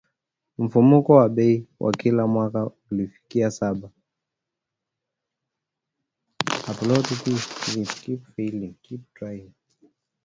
Mfumuko wa bei wa kila mwaka ulifikia saba.